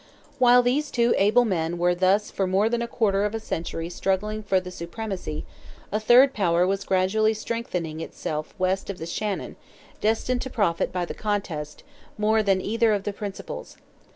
While these two able men were thus for more than a quarter of a century struggling for the supremacy, a third power was gradually strengthening itself west of the Shannon, destined to profit by the contest, more than either of the principals.